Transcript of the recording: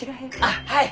あっはい！